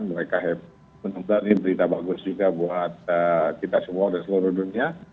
mereka menempatkan berita bagus juga buat kita semua dan seluruh dunia